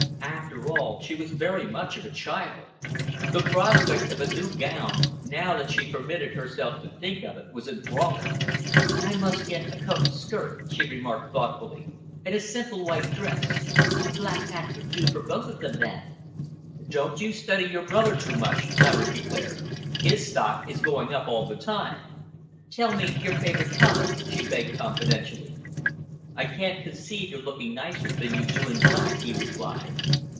After all, she was very much of a child. The prospect of a new gown, now that she permitted herself to think of it, was enthralling. "I might get a coat and skirt," she remarked thoughtfully, "and a simple white dress. A black hat would do for both of them, then." "Don't you study your brother too much," Laverick declared. "His stock is going up all the time." "Tell me your favorite color," she begged confidentially. "I can't conceive your looking nicer than you do in black," he replied.